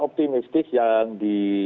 optimistis yang di